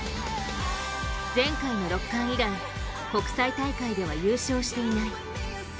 前回の６冠以来、国際大会では優勝していない。